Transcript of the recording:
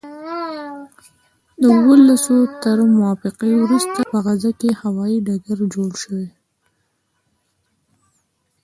د اوسلو تر موافقې وروسته په غزه کې هوايي ډګر جوړ شو.